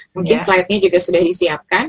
mungkin slide nya juga sudah disiapkan